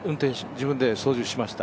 自分で操縦しました。